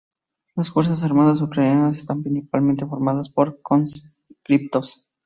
Las fuerzas armadas ucranianas están principalmente formadas por conscriptos.